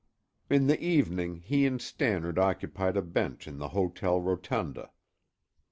In the evening he and Stannard occupied a bench in the hotel rotunda.